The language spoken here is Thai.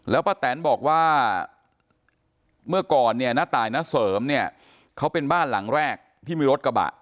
ป้าแตนบอกว่าเมื่อก่อนเนี่ยณตายณเสริมเนี่ยเขาเป็นบ้านหลังแรกที่มีรถกระบะ